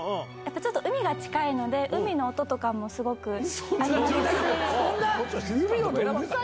ちょっと海が近いので、海の音とかもすごくありますし。